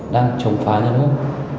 đang trồng phá nhân quốc